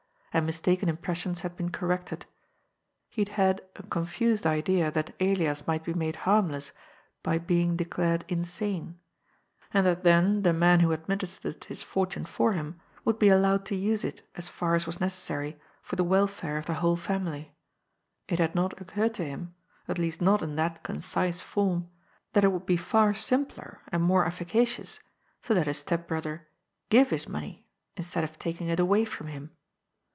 And mis taken impressions had been corrected. He had had a con fused idea that Elias might be made harmless by being de clared insane, and that then the man who administered his fortune for him, would be allowed to use it, as far as was necessary, for the welfare of the whole family. It had not occurred to him, at least not in that concise form, that it would be far simpler and more efficacious to let his step brother give his money, instead of taking it away from him.